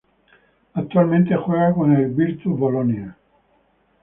Actualmente juega con el Virtus Bolonia.